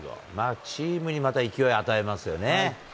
チームにまた勢い与えますよね。